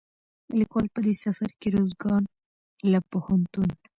ليکوال په دې سفر کې روزګان له پوهنتون،